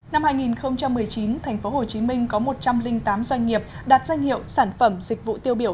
năm hai nghìn một mươi chín thành phố hồ chí minh có một trăm linh tám doanh nghiệp đạt danh hiệu sản phẩm dịch vụ tiêu biểu